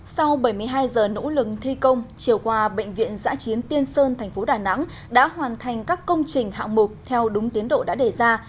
sau bảy mươi hai giờ nỗ lực thi công chiều qua bệnh viện giã chiến tiên sơn thành phố đà nẵng đã hoàn thành các công trình hạng mục theo đúng tiến độ đã đề ra